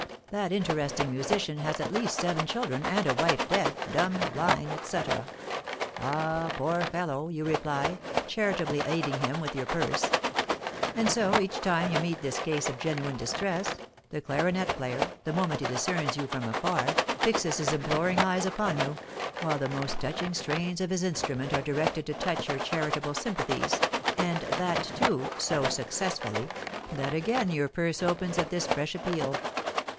'That interesting musician has at least seven children, and a wife deaf, dumb, blind,' etc. 'Ah, poor fellow!' you reply, charitably aiding him with your purse. And so, each time you meet this case of genuine distress, the clarionet player, the moment he discerns you from afar, fixes his imploring eyes upon you, while the most touching strains of his instrument are directed to touch your charitable sympathies, and that, too, so successfully, that again your purse opens at this fresh appeal.